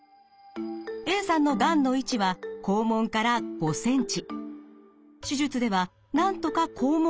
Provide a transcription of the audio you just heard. Ａさんのがんの位置は肛門から５ｃｍ。